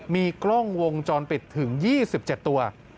มีกล้องวงจรปิดถึง๒๗ตัว